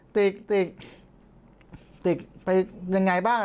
ติกติกติกไปยังไงบ้าง